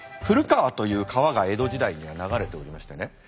古川という川が江戸時代には流れておりましてね。